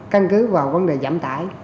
căn cứ vào vấn đề giảm tải